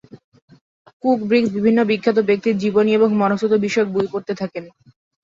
Cook Briggs বিভিন্ন বিখ্যাত ব্যক্তির জীবনী এবং মনস্তত্ত্ব বিষয়ক বই পড়তে থাকেন।